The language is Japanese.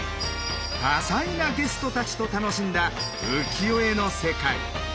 多彩なゲストたちと楽しんだ浮世絵の世界。